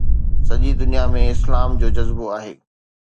سڄي دنيا ۾ اسلام جو جذبو آهي